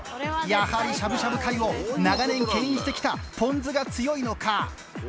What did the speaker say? やはりしゃぶしゃぶ界を長年けん引してきたぽん酢が強いのか。